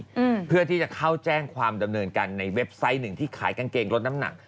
อืมเพื่อที่จะเข้าแจ้งความดำเนินกันในเว็บไซต์หนึ่งที่ขายกางเกงลดน้ำหนัก